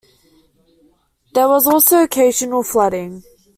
There was also occasional flooding.